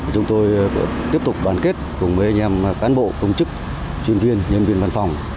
chúng tôi tiếp tục đoàn kết cùng với anh em cán bộ công chức chuyên viên nhân viên văn phòng